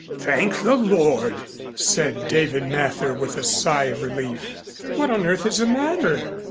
"Thank the Lord," said David Mather with a sigh of relief. "What on earth is the matter?"